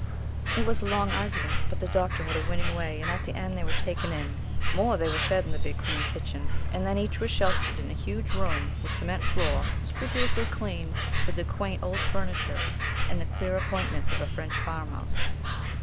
It was a long argument, but the Doctor had a winning way, and at the end they were taken in, more, they were fed in the big clean kitchen, and then each was sheltered in a huge room, with cement floor, scrupulously clean, with the quaint old furniture and the queer appointments of a French farmhouse.